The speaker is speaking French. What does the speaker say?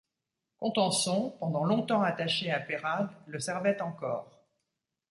Contenson, pendant long-temps attaché à Peyrade, le servait encore.